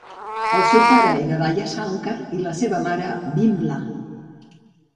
El seu pare era Dayashankar i la seva mare, Vimla.